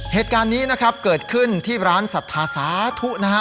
เหตุการณ์นี้นะครับเกิดขึ้นที่ร้านศรัทธาสาธุนะฮะ